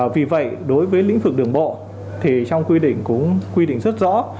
vì vậy đối với lĩnh vực đường bộ thì trong quy định cũng quy định rất rõ